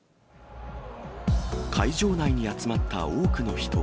会場内に集まった多くの人。